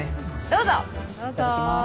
どうぞ。